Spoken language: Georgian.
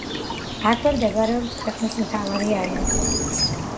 აქვე მდებარეობს ქვეყნის მთავარი აეროპორტიც.